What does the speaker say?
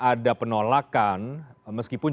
ada penolakan meskipun